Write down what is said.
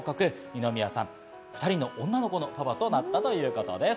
二宮さん、２人の女の子のパパとなったということです。